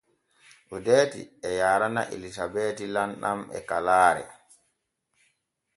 Odeeti e yaarana Elisabeeti lamɗam e kalaare.